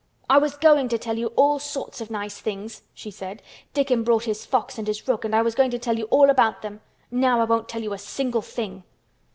"I was going to tell you all sorts of nice things," she said. "Dickon brought his fox and his rook and I was going to tell you all about them. Now I won't tell you a single thing!"